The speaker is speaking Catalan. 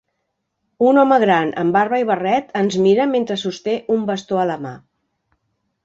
Un home gran amb barba i barret ens mira mentre sosté un bastó a la mà